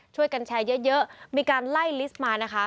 ช่วยกันแชร์เยอะมีการไล่ลิสต์มานะคะ